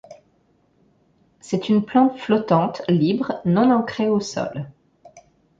C'est une plante flottante libre, non ancrée au sol.